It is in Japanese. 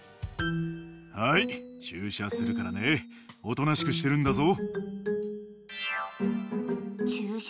「はい注射するからねおとなしくしてるんだぞ」